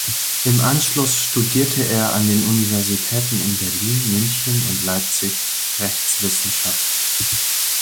Im Anschluss studierte er an den Universitäten in Berlin, München und Leipzig Rechtswissenschaft.